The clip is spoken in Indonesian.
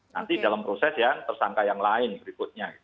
nanti dalam proses yang tersangka yang lain berikutnya